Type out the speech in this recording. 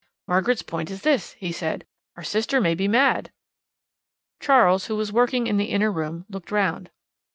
"Margaret's point is this," he said. "Our sister may be mad." Charles, who was working in the inner room, looked round.